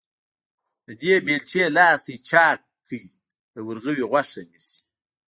د دې بېلچې لاستي چاک کړی، د ورغوي غوښه نيسي.